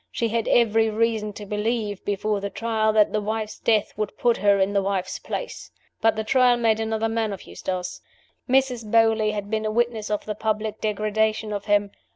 She had every reason to believe (before the Trial) that the wife's death would put her in the wife's place. But the Trial made another man of Eustace. Mrs. Beauly had been a witness of the public degradation of him.